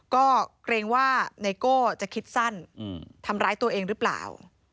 ก็เกรงว่าไนโก้จะคิดสั้นทำร้ายตัวเองหรือเปล่า